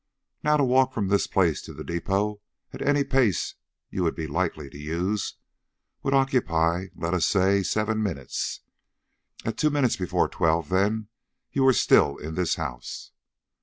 Now, to walk from this place to the depot at any pace you would be likely to use, would occupy well, let us say seven minutes. At two minutes before twelve, then, you were still in this house.